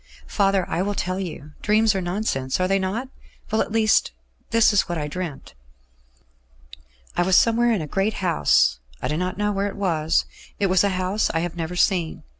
"Father, I will tell you. Dreams are nonsense, are they not? Well, at least, this is what I dreamt. "I was somewhere in a great house; I do not know where it was. It was a house I have never seen.